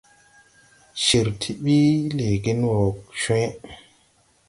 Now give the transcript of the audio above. Cir ti ɓi lɛɛgen wɔ cwe.